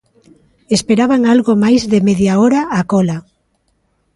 Esperaban algo máis de media hora á cola.